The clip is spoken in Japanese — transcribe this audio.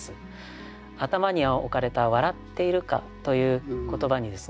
頭に置かれた「笑つてゐるか」という言葉にですね